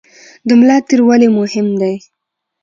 د ملا تیر ولې مهم دی؟